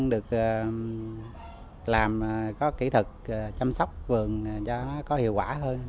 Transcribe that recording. được làm có kỹ thuật chăm sóc vườn cho nó có hiệu quả hơn